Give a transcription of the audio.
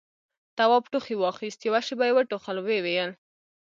تواب ټوخي واخيست، يوه شېبه يې وټوخل، ويې ويل: